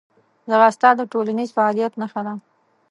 ځغاسته د ټولنیز فعالیت نښه ده